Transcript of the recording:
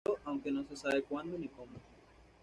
Murió, aunque no se sabe cuándo ni cómo.